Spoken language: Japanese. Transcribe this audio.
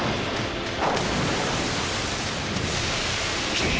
くっ！